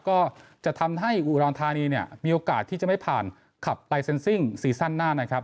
ก็จะทำให้อุดรธานีเนี่ยมีโอกาสที่จะไม่ผ่านขับลายเซ็นซิ่งซีซั่นหน้านะครับ